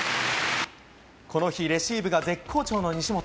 この日、レシーブが絶好調の西本。